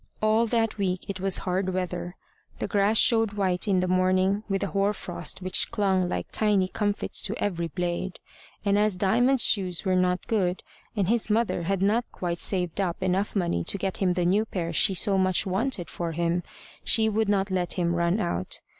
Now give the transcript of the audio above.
All that week it was hard weather. The grass showed white in the morning with the hoar frost which clung like tiny comfits to every blade. And as Diamond's shoes were not good, and his mother had not quite saved up enough money to get him the new pair she so much wanted for him, she would not let him run out.